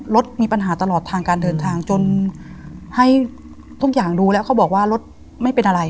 รถมีปัญหาตลอดทางการเดินทางจนให้ทุกอย่างดูแล้วเขาบอกว่ารถไม่เป็นอะไร